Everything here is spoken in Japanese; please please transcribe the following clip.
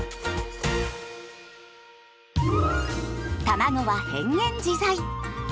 たまごは変幻自在。